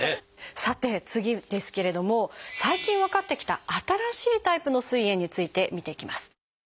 さて次ですけれども最近分かってきた新しいタイプのすい炎について見ていきます。